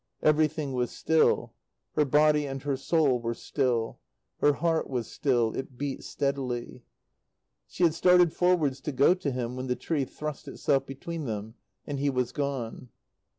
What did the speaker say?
Everything was still; her body and her soul were still; her heart was still; it beat steadily. She had started forwards to go to him when the tree thrust itself between them, and he was gone.